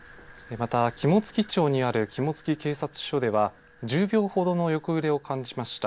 また肝付町にある肝付警察署では、１０秒ほどの横揺れを感じました。